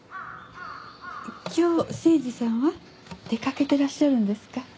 今日誠治さんは？出掛けてらっしゃるんですか？